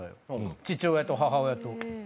父親と母親と。